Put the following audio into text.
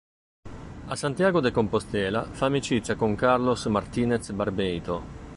A Santiago de Compostela fa amicizia con Carlos Martínez-Barbeito.